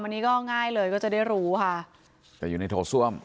อันนี้ก็ง่ายเลยก็จะได้รู้ค่ะแต่อยู่ในโถส้วม